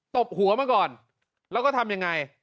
ตบหัวมาก่อนแล้วก็ทำยังไง